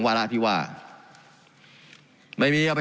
การปรับปรุงทางพื้นฐานสนามบิน